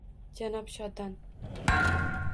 Janob shodon